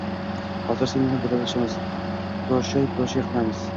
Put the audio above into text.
— Hozir sen bilan vidolashamiz… proshay-proshay qilamiz!